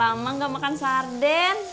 lama gak makan sarden